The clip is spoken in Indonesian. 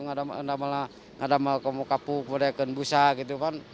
nggak ada malah kamu kapuk kamu deken busa gitu kan